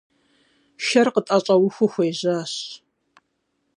Шэр къытӀэщӀэухэу хуежьащ.